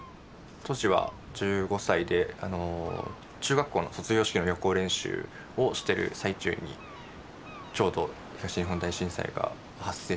当時は１５歳で中学校の卒業式の予行練習をしてる最中にちょうど東日本大震災が発生したようなタイミングで。